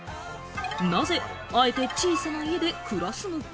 なぜあえて小さな家で暮らすのか？